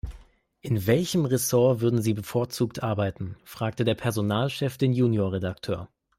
In welchem Ressort würden Sie bevorzugt arbeiten?, fragte der Personalchef den Junior-Redakteur.